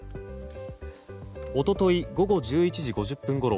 一昨日午後１１時５０分ごろ